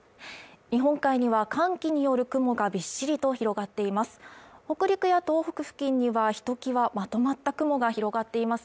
日本海には寒気による雲がびっしりと広がっています